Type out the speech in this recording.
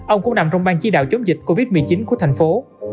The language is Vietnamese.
ông cũng nằm trong ban chỉ đạo chống dịch covid một mươi chín của thành phố